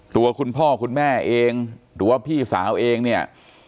ตัวคุณพ่อคุณแม่เองหรือว่าพี่สาวเองเนี่ย